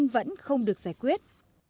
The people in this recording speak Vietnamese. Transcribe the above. vẫn không được giải quyết